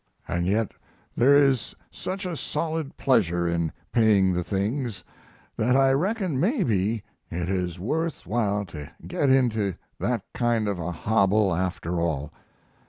And yet there is such a solid pleasure in paying the things that I reckon maybe it is worth while to get into that kind of a hobble after all.